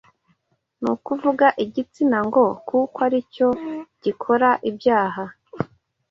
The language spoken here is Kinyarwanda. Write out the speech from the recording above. ni ukuvuga igitsina ngo kuko ari cyo gikora ibyaha.